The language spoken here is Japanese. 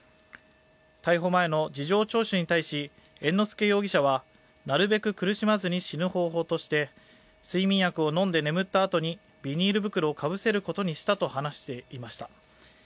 逮捕前の事情聴取に対し猿之助容疑者はなるべく苦しまずに死ぬ方法として、睡眠薬を飲んで眠ったあとにビニール袋をかぶせることにしたと話していました。